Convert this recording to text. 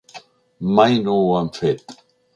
Mai no ho han fet.